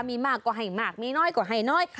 มีมากก็ให้มากมีน้อยก็ให้น้อย